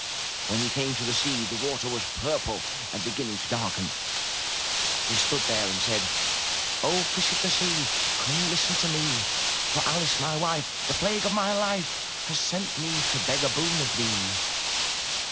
When he came to the sea, the water was purple and blue and beginning to darken; he stood there and said: "0 Fish of the Sea, come, listen to me. For Alice, my wife, the plague of my life, Has sent me to beg a boon of thee."